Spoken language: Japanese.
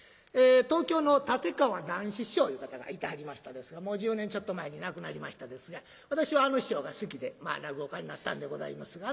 東京の立川談志師匠いう方がいてはりましたですがもう十年ちょっと前に亡くなりましたですが私はあの師匠が好きで落語家になったんでございますが。